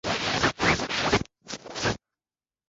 Jirani yangu anapenda kunywa pombe